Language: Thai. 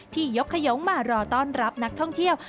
ยกขยงมารอต้อนรับนักท่องเที่ยว